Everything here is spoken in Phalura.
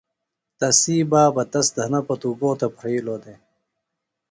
تسی بابہ تس دھنہ پتُوۡ گو تھےۡ پھرئِلوۡ دےۡ؟